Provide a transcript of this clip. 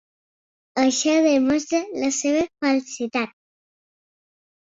Això demostra la seva falsedat.